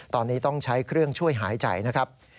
ตอนนี้ต้องใช้เครื่องช่วยหายใจนะครับ